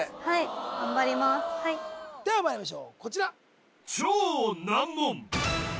はいではまいりましょうこちら